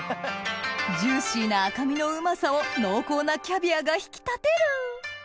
ジューシーな赤身のうまさを濃厚なキャビアが引き立てる